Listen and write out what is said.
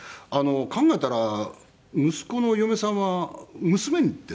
考えたら息子の嫁さんは娘ですからね。